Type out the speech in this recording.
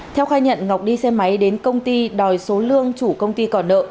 theo khai nhận ngọc đi xe máy đến công ty đòi số lương chủ công ty còn nợ